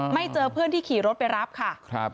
เจอเพื่อนที่ขี่รถไปรับค่ะ